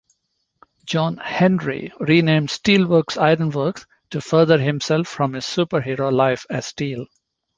John Henry renamed Steelworks Ironworks to further himself from his superhero life as Steel.